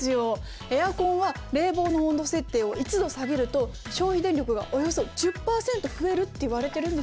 エアコンは冷房の温度設定を１度下げると消費電力がおよそ１０％増えるっていわれてるんですよ。